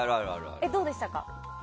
どうでしたか？